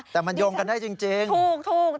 แต่มันโยงกันได้จริงถูก